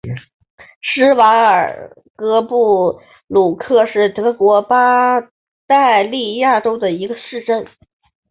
施瓦尔岑布鲁克是德国巴伐利亚州的一个市镇。